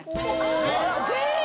全員！